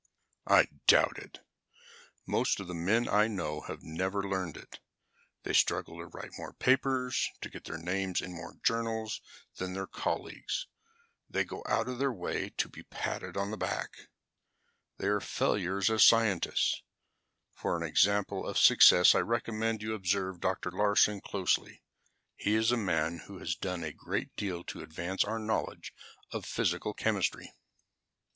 "I doubt it. Most of the men I know have never learned it. They struggle to write more papers, to get their names in more journals than their colleagues. They go out of their way to be patted on the back. "They are the failures as scientists. For an example of success I recommend that you observe Dr. Larsen closely. He is a man who has done a great deal to advance our knowledge of physical chemistry."